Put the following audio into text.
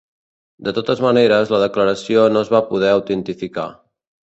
De totes maneres, la declaració no es va poder autentificar.